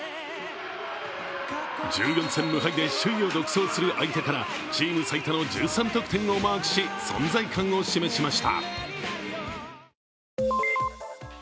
１４戦無敗で首位を独走する相手からチーム最多の１３得点をマークし存在感を示しました。